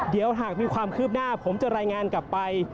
เดี๋ยวหากมีความคืบหน้าผมจะรายงานกลับไป